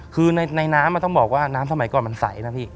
คือในน้ำต้องบอกว่าน้ำสมัยก่อนมันใสนะพี่